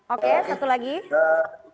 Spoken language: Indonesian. oke satu lagi